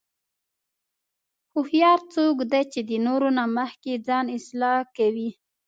هوښیار څوک دی چې د نورو نه مخکې ځان اصلاح کوي.